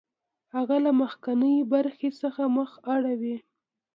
هغه له مخکینۍ برخې څخه مخ اړوي